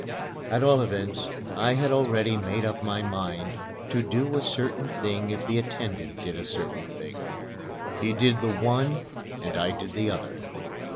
At all events I had already made up my mind to do a certain thing if the attendant did a certain thing. He did the one and I did the other.